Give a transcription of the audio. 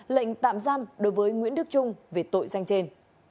lệnh tạm giam đối với nguyễn đức trung về tội danh trên